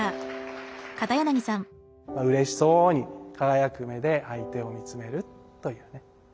うれしそうに輝く目で相手を見つめるというね。